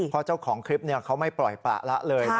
เพราะเจ้าของคลิปเขาไม่ปล่อยประละเลย